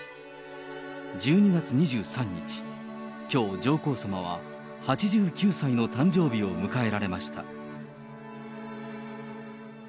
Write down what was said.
１２月２３日、きょう、上皇さまは８９歳の誕生日を迎えられました。